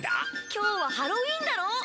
今日はハロウィンだろ？